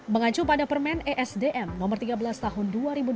mengacu pada permen esdm nomor tiga belas tahun dua ribu dua puluh